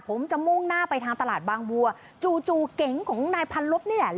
ผมจะมุ่งหน้าไปทางตลาดบางบัวจู่จู่เก๋งของนายพันลบนี่แหละ